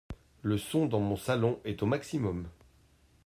Le son dans mon salon est au maximum.